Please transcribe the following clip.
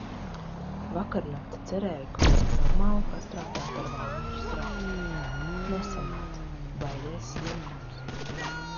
Vakarnakt cerēju kaut cik normāli pastrādāt ar Valmieras rakstu. Nesanāca. Baigais slinkums.